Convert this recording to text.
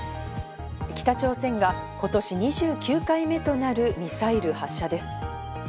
北朝鮮が今年２９回目となるミサイル発射です。